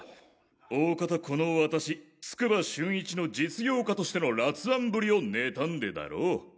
大方この私筑波峻一の実業家としての辣腕ぶりを妬んでだろう。